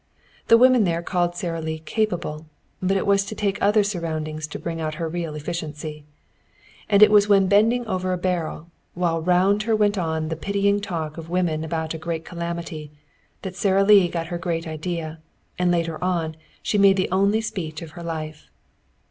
The women there called Sara Lee capable, but it was to take other surroundings to bring out her real efficiency. And it was when bending over a barrel, while round her went on that pitying talk of women about a great calamity, that Sara Lee got her great idea; and later on she made the only speech of her life.